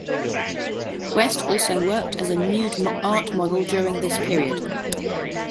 West also worked as a nude art model during this period.